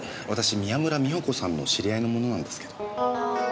私宮村美保子さんの知り合いの者なんですけど。